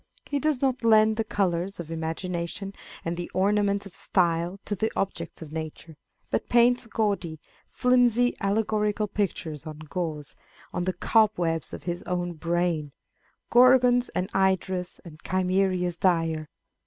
He does not lend the colours of imagination and the ornaments of style to the objects of nature, but paints gaudy, flimsy, allegorical pictures on gauze, on the cobwebs of his own brain, " Gorgons and Hydras, and Chimeras dire."